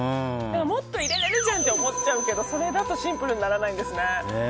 もっと入れられるじゃんって思っちゃうけど、それだとシンプルにならないんですね。